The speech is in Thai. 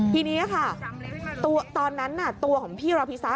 ทีนี้ค่ะตอนนั้นตัวของพี่รอพิซซ่า